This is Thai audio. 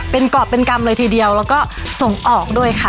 เป็นกรอบเป็นกรรมเลยทีเดียวแล้วก็ส่งออกด้วยค่ะ